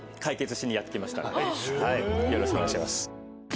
よろしくお願いします。